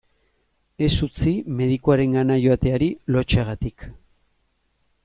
Ez utzi medikuarengana joateari lotsagatik.